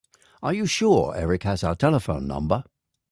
Are you sure Erik has our telephone number?